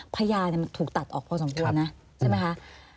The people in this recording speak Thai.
พยานมันถูกตัดออกพอสมควรนะใช่ไหมคะ